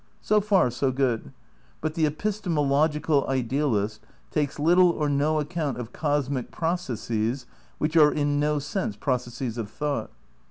So far so good. But the epistemological idealist takes little or no account of cosmic processes which are in no sense processes of thought.